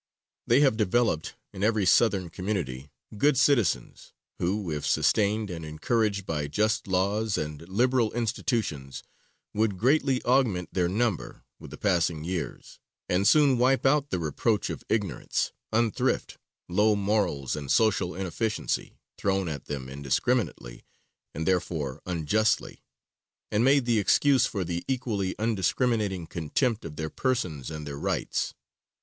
They have developed, in every Southern community, good citizens, who, if sustained and encouraged by just laws and liberal institutions, would greatly augment their number with the passing years, and soon wipe out the reproach of ignorance, unthrift, low morals and social inefficiency, thrown at them indiscriminately and therefore unjustly, and made the excuse for the equally undiscriminating contempt of their persons and their rights.